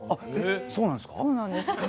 そうなんです。